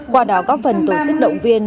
qua đó góp phần tổ chức động viên